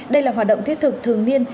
đây là hoạt động thiết thực thường niên